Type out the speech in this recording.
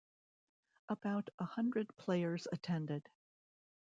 About a hundred players attended.